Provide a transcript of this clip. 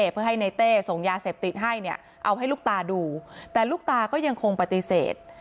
เพื่อให้ในเต้ส่งยาเสพติดให้เนี่ยเอาให้ลูกตาดูแต่ลูกตาก็ยังคงปฏิเสธ